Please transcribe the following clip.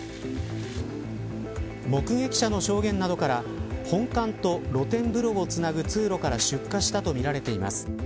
目撃者の証言などから本館と露天風呂をつなぐ通路から出火したとみられています。